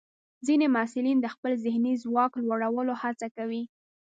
ځینې محصلین د خپل ذهني ځواک لوړولو هڅه کوي.